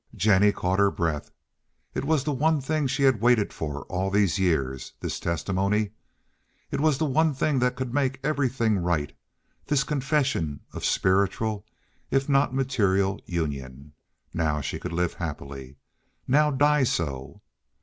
Jennie caught her breath. It was the one thing she had waited for all these years—this testimony. It was the one thing that could make everything right—this confession of spiritual if not material union. Now she could live happily. Now die so.